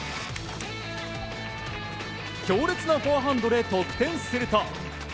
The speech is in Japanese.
強烈なフォアハンドで得点すると。